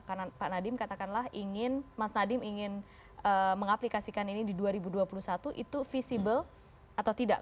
karena pak nadiem katakanlah ingin mas nadiem ingin mengaplikasikan ini di dua ribu dua puluh satu itu visible atau tidak